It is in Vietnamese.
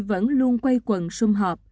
vẫn luôn quay quần xung họp